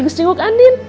gue mau ke andin